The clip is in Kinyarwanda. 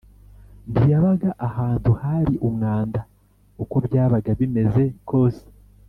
ntiyabaga ahantu hari umwanda uko byabaga bimeze kose.